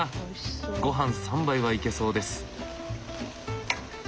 ごはん３杯はいけそうです。